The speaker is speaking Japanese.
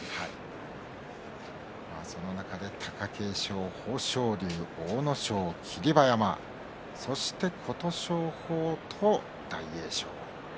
その中で貴景勝豊昇龍、阿武咲、霧馬山そして琴勝峰と大栄翔。